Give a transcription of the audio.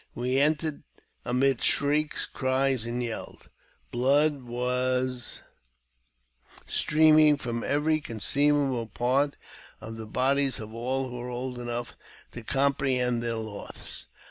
We entered amid shrieks, cries, and yells. Blood was streaming from every conceivable part of the bodies of all who were old enough to comprehend their loss.